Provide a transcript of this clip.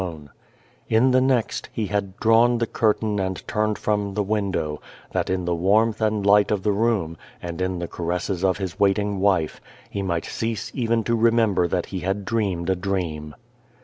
234 The Lonely God In the next, he had drawn the curtain and turned from the window, that in the warmth and light of the room, and in the caresses of his waiting wife, he might cease even to remember that he had dreamed a dream.